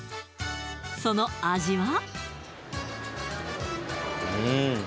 その味は？